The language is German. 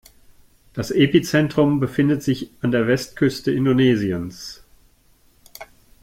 Das Epizentrum befindet sich an der Westküste Indonesiens.